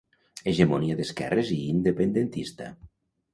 Hegemonia d'esquerres i independentista.